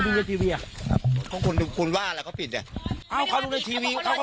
แล้วก็มีหลักฐานบอกว่านัดหมอปลามานี่พี่ได้ยินไหมคะ